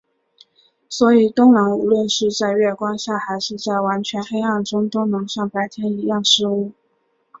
所以冬狼无论是在月光下还是在完全黑暗中都能像白天一样视物。